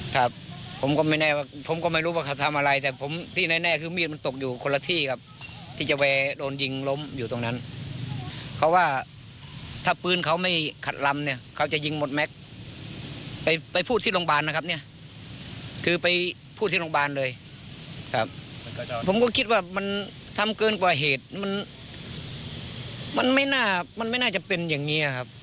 ครับผมก็ไม่แน่ว่าผมก็ไม่รู้ว่าเขาทำอะไรแต่ผมที่แน่คือมีดมันตกอยู่คนละที่ครับที่จะไปโดนยิงล้มอยู่ตรงนั้นเพราะว่าถ้าปืนเขาไม่ขัดลำเนี่ยเขาจะยิงหมดแม็กซ์ไปไปพูดที่โรงพยาบาลนะครับเนี่ยคือไปพูดที่โรงพยาบาลเลยครับผมก็คิดว่ามันทำเกินกว่าเหตุมันมันไม่น่ามันไม่น่าจะเป็นอย่างนี้ครับ